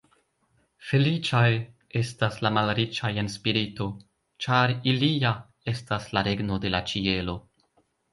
Feliĉaj estas la malriĉaj en spirito, ĉar ilia estas la regno de la ĉielo.